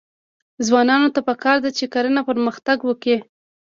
ځوانانو ته پکار ده چې، کرنه پرمختګ ورکړي.